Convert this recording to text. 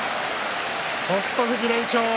北勝富士連勝。